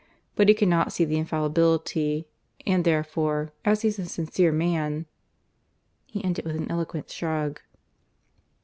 But he cannot see the infallibility, and therefore, as he's a sincere man !" he ended with an eloquent shrug.